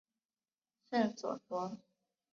圣索弗。